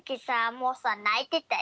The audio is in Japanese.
もうさないてたよ。